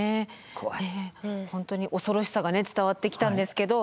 怖い本当に恐ろしさが伝わってきたんですけど。